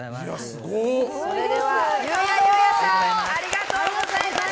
それでは、ゆうや裕夜さんありがとうございました。